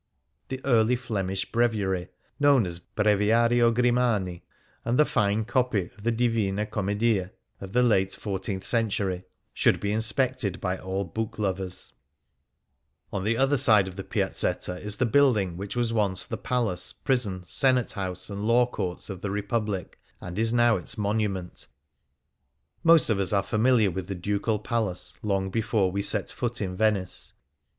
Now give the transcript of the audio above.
The Early Flemish bi eviary, known as " Breviario Grimani "" and the fine copy of the '• Divina Commedia " of the late fourteenth centuiy, should be inspected by all book lovers. On the other side of the Piazzetta is the building which was once the Palace, Prison, * From which the name of the coin zecchino (sequin) is derived. 69 Things Seen in Venice Senate House, and Law Courts of the Republic, and is now its monument. Most of us are familiar with the Ducal Palace long before we set foot in Venice.